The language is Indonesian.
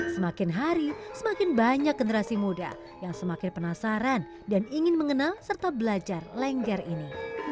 semakin hari semakin banyak generasi muda yang semakin penasaran dan ingin mengenal serta belajar lengger ini